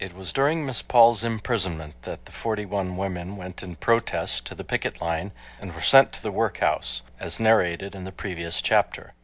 It was during Miss Paul's imprisonment that the forty one women went in protest to the picket line and were sent to the workhouse, as narrated in the previous chapter.